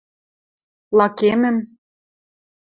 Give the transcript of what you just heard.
Лакемӹм…